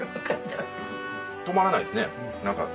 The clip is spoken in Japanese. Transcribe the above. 止まらないっすね何か。